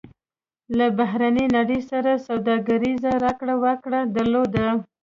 له بهرنۍ نړۍ سره سوداګریزه راکړه ورکړه درلوده.